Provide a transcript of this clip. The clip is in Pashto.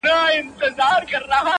څوك به ويښ څوك به بيده څوك نا آرام وو-